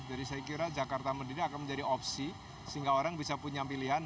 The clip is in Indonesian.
jadi saya kira jakarta madinah akan menjadi opsi sehingga orang bisa punya pilihan